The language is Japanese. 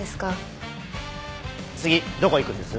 次どこ行くんです？